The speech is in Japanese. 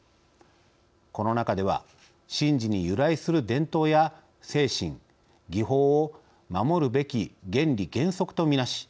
この中では神事に由来する伝統や精神、技法を守るべき原理原則とみなし